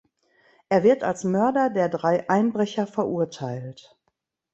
Er wird als Mörder der drei Einbrecher verurteilt.